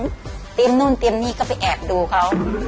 ใครมาขมุ้งเตรียมนู่นเตรียมนี่ก็ไปแอบดูเขา